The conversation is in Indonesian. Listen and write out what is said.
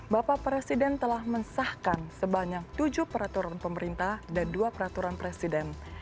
bapak presiden telah mensahkan sebanyak tujuh peraturan pemerintah dan dua peraturan presiden